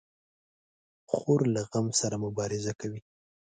خور له غم سره مبارزه کوي.